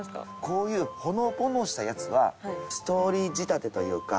こういうほのぼのしたやつはストーリー仕立てというか。